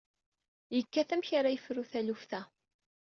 Yekkat amek ara yefru taluft-a.